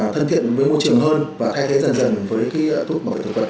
thân thiện với môi trường hơn và thay thế dần dần với thuốc bảo vệ thực vật